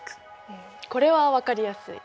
うんこれは分かりやすい。